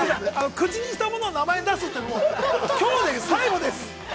口にしたものを名前に出すのはきょうで最後です。